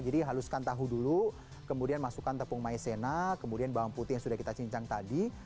jadi haluskan tahu dulu kemudian masukkan tepung maizena kemudian bawang putih yang sudah kita cincang tadi